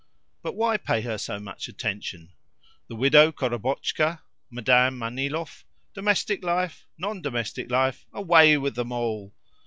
But why pay her so much attention? The Widow Korobotchka, Madame Manilov, domestic life, non domestic life away with them all!